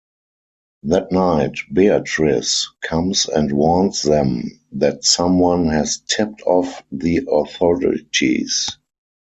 That night Beatriz comes and warns them that someone has tipped off the authorities.